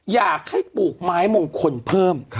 อยากให้ปลูกไม้มงคลเพิ่ม